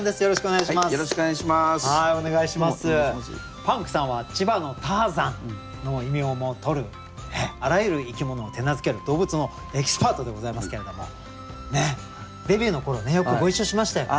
パンクさんは「千葉のターザン」の異名もとるあらゆる生き物を手なずける動物のエキスパートでございますけれどもデビューの頃ねよくご一緒しましたよね。